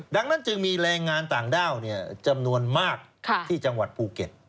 ดังนั้นจึงมีแรงงานต่างด้าวจำนวนมากที่จังหวัดภูเก็ต